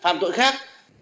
phạm tội khác